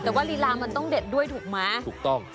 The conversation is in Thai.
แต่ว่ารีลามันต้องเด็ดด้วยถูกมั้ย